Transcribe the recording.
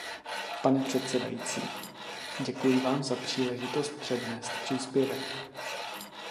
Pane předsedající, děkuji vám za příležitost přednést příspěvek.